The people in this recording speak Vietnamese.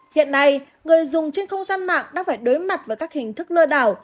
hiện nay người dùng trên không gian mạng đang phải đối mặt với các hình thức lừa đảo